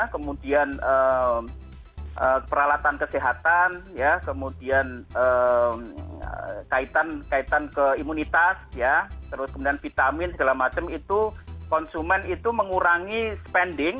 kemudian peralatan kesehatan kemudian kaitan ke imunitas ya terus kemudian vitamin segala macam itu konsumen itu mengurangi spending